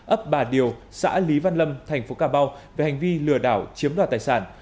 ấp bà điều xã lý văn lâm thành phố cà mau về hành vi lừa đảo chiếm đoạt tài sản